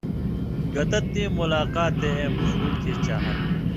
گتہ تِیں ملاقاتے اېم ݜُو تھی چاہت